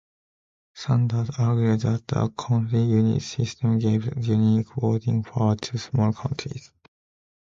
Sanders argued that the County Unit System gave unequal voting power to smaller counties.